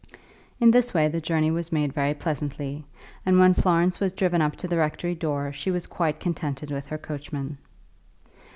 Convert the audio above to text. In this way the journey was made very pleasantly, and when Florence was driven up to the rectory door she was quite contented with her coachman.